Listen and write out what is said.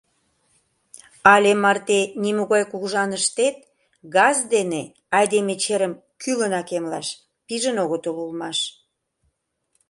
Але марте нимогай кугыжаныштет газ дене айдеме черым кӱлынак эмлаш пижын огытыл улмаш.